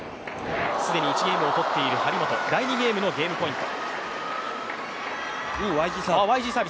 既に１ゲームを取っている張本第２ゲームのゲームポイント。